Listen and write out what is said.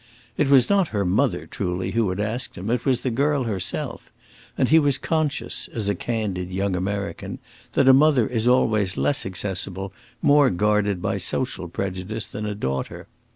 It was not her mother, truly, who had asked him, it was the girl herself; and he was conscious, as a candid young American, that a mother is always less accessible, more guarded by social prejudice, than a daughter.